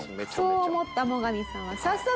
そう思ったモガミさんは早速。